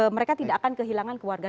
mereka tidak akan kehilangan keluarga